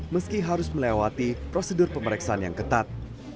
meski harus melewati prosedur pemeriksaan yang ketat